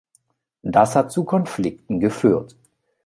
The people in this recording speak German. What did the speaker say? Das hat zu Konflikten geführt.